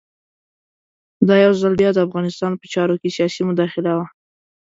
دا یو ځل بیا د افغانستان په چارو کې سیاسي مداخله وه.